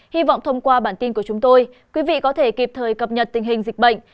hy vọng thông qua bản tin của chúng tôi quý vị có thể kịp thời cập nhật tình hình dịch bệnh